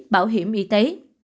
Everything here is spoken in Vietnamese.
bảo hiểm y tế